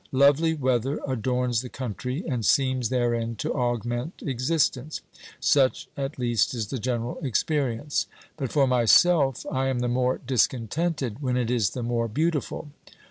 Lovely weather adorns the country, and seems therein to augment existence ; such at least is the general experience. But for myself, I am the more discontented when it is the more beautiful.